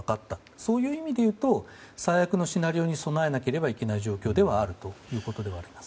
そういう意味で言うと最悪のシナリオに備えなければいけない状況であると思います。